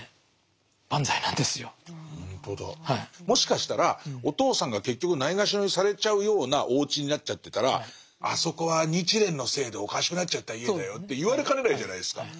もしかしたらお父さんが結局ないがしろにされちゃうようなおうちになっちゃってたらあそこは日蓮のせいでおかしくなっちゃった家だよって言われかねないじゃないですか。